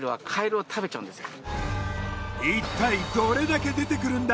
いったいどれだけ出てくるんだ。